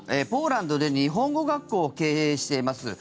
ポーランドで日本語学校を経営しています